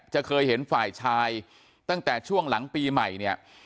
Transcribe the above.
จะเคยเห็นฝ่ายชายตั้งแต่ช่วงหลังปีใหม่เนี่ย